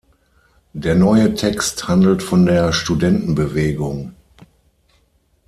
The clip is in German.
Der neue Text handelt von der Studentenbewegung.